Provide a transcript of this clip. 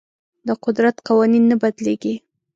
د قدرت قوانین نه بدلیږي.